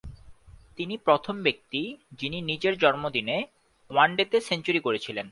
তিনি প্রথম ব্যক্তি যিনি নিজের জন্মদিনে ওয়ানডেতে সেঞ্চুরি করেছিলেন।